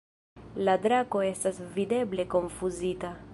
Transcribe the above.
La drako estas videble konfuzita.